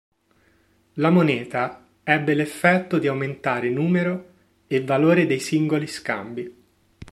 La moneta ebbe l'effetto di aumentare numero e valore dei singoli scambi.